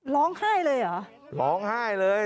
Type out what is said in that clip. ล้องฆ่าเลยหรอล้องให้เลย